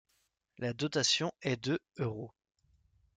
La dotation est de euros.